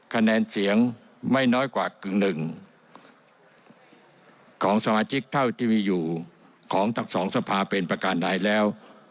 คะแนนเสียงไม่น้อยกว่ากึ่งหนึ่งของสมาชิกเท่าที่มีอยู่ของทั้งสองสภาเป็นประการใดแล้ว